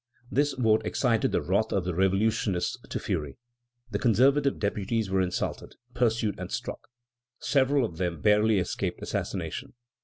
This vote excited the wrath of the revolutionists to fury. The conservative deputies were insulted, pursued, and struck. Several of them barely escaped assassination.